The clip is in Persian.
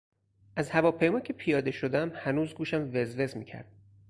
از هواپیما که پیاده شدم هنوز گوشم وز وز میکرد.